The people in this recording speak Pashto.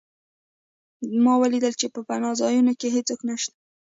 ما ولیدل چې په پناه ځایونو کې هېڅوک نشته